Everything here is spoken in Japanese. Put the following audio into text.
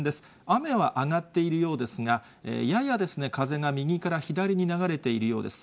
雨は上がっているようですが、やや風が右から左に流れているようです。